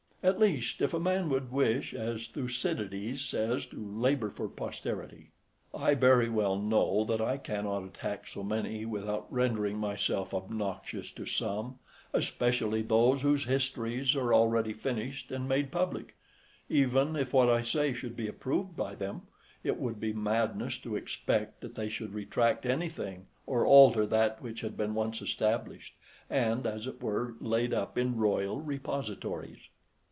At least, if a man would wish, as Thucydides says, to labour for posterity. I very well know that I cannot attack so many without rendering myself obnoxious to some, especially those whose histories are already finished and made public; even if what I say should be approved by them, it would be madness to expect that they should retract anything or alter that which had been once established and, as it were, laid up in royal repositories.